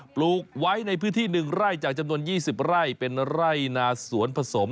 ปลูกไว้ในพื้นที่๑ไร่จากจำนวน๒๐ไร่เป็นไร่นาสวนผสม